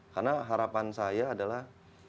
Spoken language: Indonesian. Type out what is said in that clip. karena harapan saya adalah